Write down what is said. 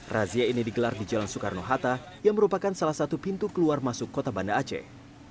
razia ini digelar di jalan soekarno hatta yang merupakan salah satu pintu keluar masuk kota banda aceh